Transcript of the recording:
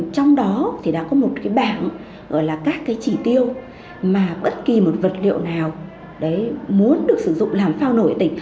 thì một vật liệu nào muốn được sử dụng làm phao nổi